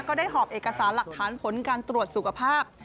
หอบเอกสารหลักฐานผลการตรวจสุขภาพ